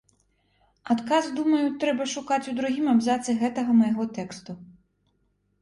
Адказ, думаю, трэба шукаць у другім абзацы гэтага майго тэксту.